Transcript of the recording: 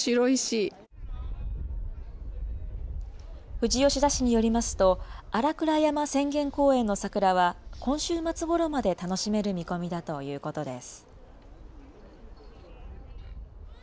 富士吉田市によりますと、新倉山浅間公園の桜は今週末ごろまで楽しめる見込みだということです。